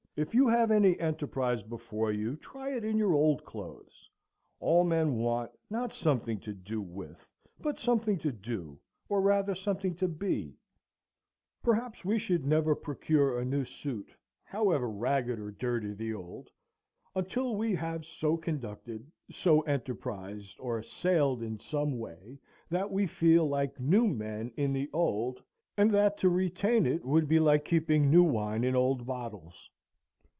If you have any enterprise before you, try it in your old clothes. All men want, not something to do with, but something to do, or rather something to be. Perhaps we should never procure a new suit, however ragged or dirty the old, until we have so conducted, so enterprised or sailed in some way, that we feel like new men in the old, and that to retain it would be like keeping new wine in old bottles.